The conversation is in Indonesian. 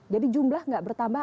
jadi jumlah gak bertambah